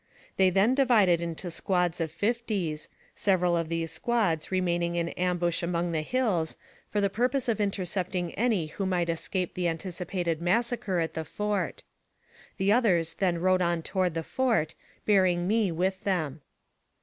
They then divided into squads of fifties, several of these squads remaining in ambush among the hills, for the purpose of intercepting any who might escape the an ticipated massacre at the fort; the others then rode on toward the fort, bearing me with them.